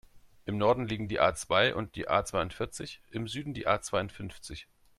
Im Norden liegen die A-zwei und die A-zweiundvierzig, im Süden die A-zweiundfünfzig.